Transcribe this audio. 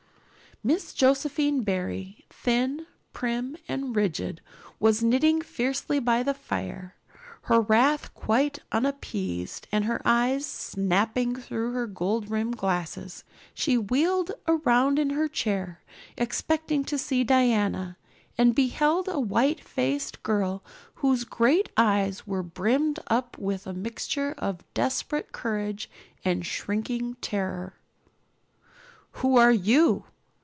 Miss Josephine Barry, thin, prim, and rigid, was knitting fiercely by the fire, her wrath quite unappeased and her eyes snapping through her gold rimmed glasses. She wheeled around in her chair, expecting to see Diana, and beheld a white faced girl whose great eyes were brimmed up with a mixture of desperate courage and shrinking terror. "Who are you?"